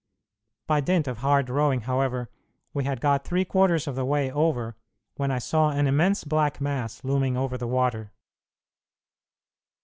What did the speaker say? By dint of hard rowing, however, we had got three quarters of the way over, when I saw an immense black mass looming over the water.